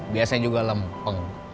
biasanya juga lempeng